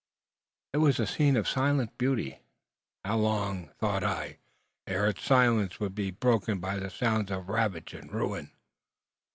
It was a scene of silent beauty. How long, thought I, ere its silence would be broken by the sounds of ravage and ruin!